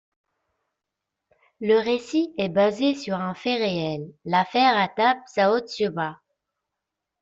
Le récit est basé sur un fait réel, l'affaire Hattab-Sarraud-Subra.